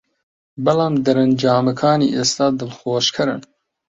بەڵام دەرەنجامەکانی ئێستا دڵخۆشکەرن